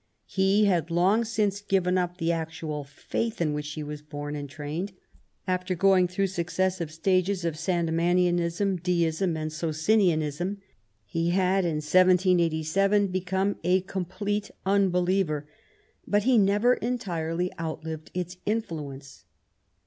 He had long since given up the actual faith in which he was born and trained; after going through successive stages of Sandemanian* ism. Deism, and Socinianism, he had, in 1787, become a '* complete unbeliever '*; but he never entirely out lived its influence.